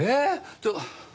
ちょっと。